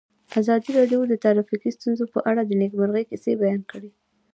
ازادي راډیو د ټرافیکي ستونزې په اړه د نېکمرغۍ کیسې بیان کړې.